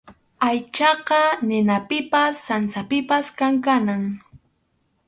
Aychaqa ninapipas sansapipas kankanam.